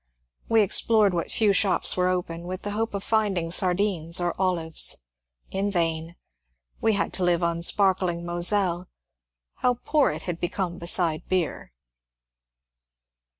We explored what few shops were open, with the hope of finding sardines or olives ; in vain ! We had to live on sparkling Moselle. How poor it had become beside beer